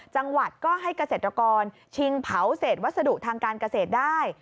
จังหวัดก็ให้เกษตรกรชิงเผาเศษวัสดุทางการเกษตรได้